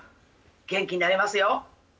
元気になりますよ。